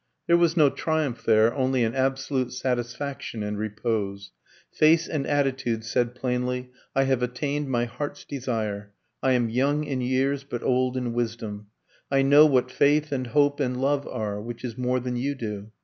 There was no triumph there, only an absolute satisfaction and repose. Face and attitude said plainly, "I have attained my heart's desire. I am young in years, but old in wisdom. I know what faith and hope and love are, which is more than you do.